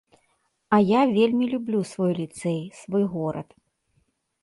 А я вельмі люблю свой ліцэй, свой горад.